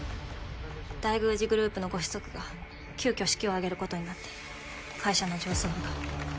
大宮司グループの御子息が急遽式を挙げることになって会社の上層部が。